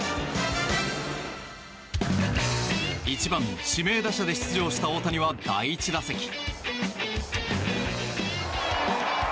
１番指名打者で出場した大谷は第１打席。